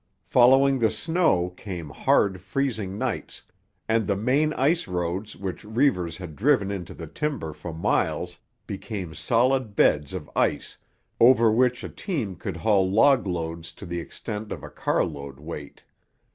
Following the snow came hard, freezing nights, and the main ice roads which Reivers had driven into the timber for miles became solid beds of ice over which a team could haul log loads to the extent of a carload weight.